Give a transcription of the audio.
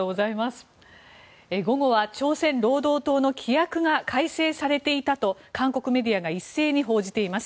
午後は朝鮮労働党の規約が改正されていたと韓国メディアが一斉に報じています。